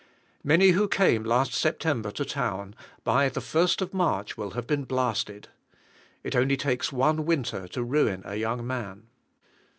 Many who came last September to town, by the first of March will have been blasted. It only takes one winter to ruin a young man.